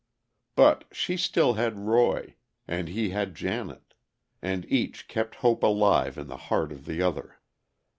But she still had Roy, and he had Janet, and each kept hope alive in the heart of the other.